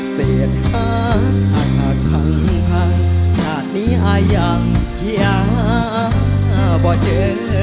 เสร็จฮะถ้าถ้าขังพังชาตินี้อายังเฮียบ่าเจอ